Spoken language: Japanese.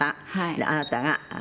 であなたが。